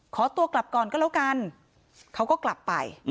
ขอตัวกลับก่อนก็แล้วกันเขาก็กลับไป